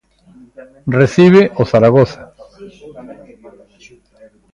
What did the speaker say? Recibe o Zaragoza.